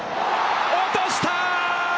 落とした！